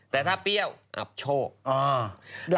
แต่ถ้าเปรี้ยวอับโชค